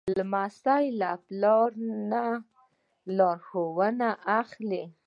لمسی له پلار نه لارښوونه اخلي.